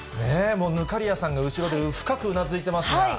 もう忽滑谷さんが後ろで深くうなずいていますが。